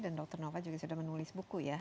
dan dokter nova juga sudah menulis buku ya